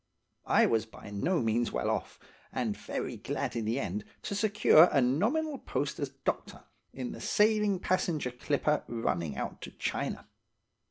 I was by no means well off, and very glad in the end to secure a nominal post as doctor in the sailing passenger clipper running out to China.